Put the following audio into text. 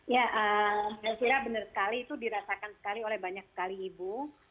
ya saya kira benar sekali itu dirasakan sekali oleh banyak sekali ibu